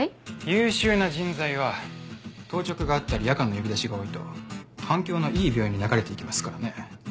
優秀な人材は当直があったり夜間の呼び出しが多いと環境のいい病院に流れていきますからね。